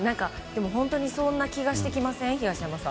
でも本当にそんな気がしてきません？